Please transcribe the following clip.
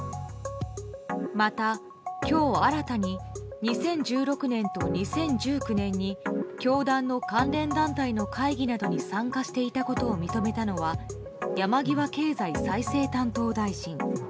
また、今日新たに２０１６年と２０１９年に教団の関連団体の会議などに参加していたことを認めたのは山際経済再生担当大臣。